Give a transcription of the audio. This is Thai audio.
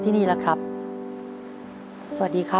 ปิดเท่าไหร่ก็ได้ลงท้ายด้วย๐เนาะ